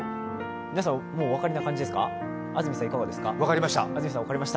皆さんもうお分かりな感じですか？